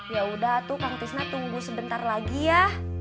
ya udah aatuh kang tisna tunggu sebentar lagi ya